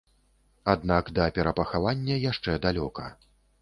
Аднак да перапахавання яшчэ далёка.